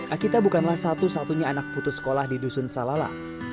akita bukanlah satu satunya anak putus sekolah di dusun salala